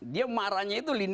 dia marahnya itu linear